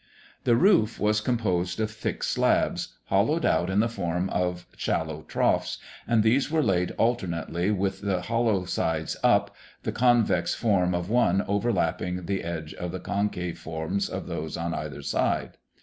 The roof was composed of thick slabs, hollowed out in the form of shallow troughs, and these were laid alternately with the hollow sides up, the convex form of one over lapping the edges of the concave forms of those en either side.